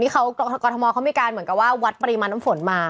กรทมเขามีการวัดปริมาณน้ำฝนมา